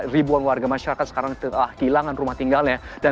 ribuan warga masyarakat sekarang telah kehilangan rumah tinggalnya